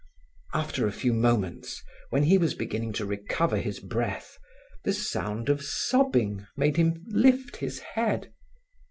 After a few moments, when he was beginning to recover his breath, the sound of sobbing made him lift his head.